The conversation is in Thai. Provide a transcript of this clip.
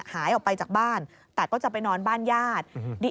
หายออกไปจากบ้านแต่ก็จะไปนอนบ้านญาติ